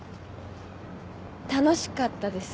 楽しかったです。